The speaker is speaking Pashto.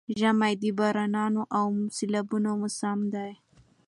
ژمی د بارانونو او سيلابونو موسم دی؛